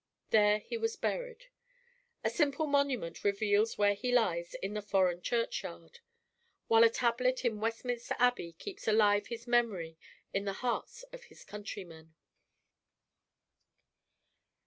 There he was buried. A simple monument reveals where he lies in the foreign churchyard; while a tablet in Westminster Abbey keeps alive his memory in the hearts of his countrymen.